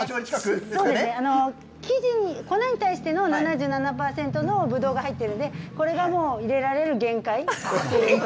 生地に、粉に対しての７７％のぶどうが入ってるんで、これがもう入れられる限界。